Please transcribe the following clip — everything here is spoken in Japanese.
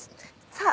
さぁ